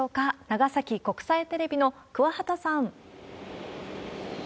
長崎国際テレビの桑畑さん。